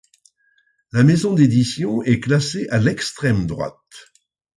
La maison d’édition est classée à l'extrême droite.